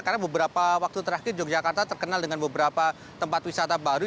karena beberapa waktu terakhir yogyakarta terkenal dengan beberapa tempat wisata baru